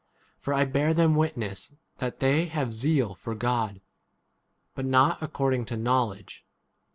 For I bear them witness that they have zeal for God, but not according to 8 knowledge.